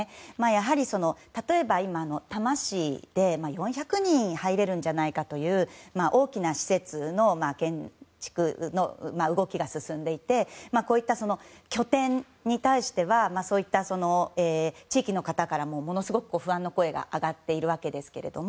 やはり、例えば今、多摩市で４００人入れるんじゃないかという大きな施設の建築の動きが進んでいてこういった拠点に対しては地域の方からもものすごく不安の声が上がっているわけですけれども。